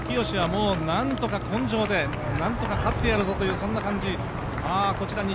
紫はなんとか根性でなんとか勝ってやるぞというそんな感じ。